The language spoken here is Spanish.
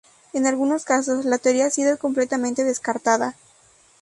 En algunos casos, la teoría ha sido completamente descartada.